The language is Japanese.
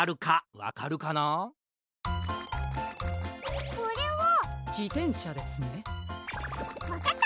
わかった！